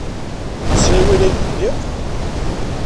Yesla i wayen ay d-nniɣ?